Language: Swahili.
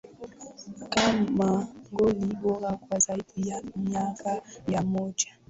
Kama goli bora kwa Zaidi ya miaka mia moja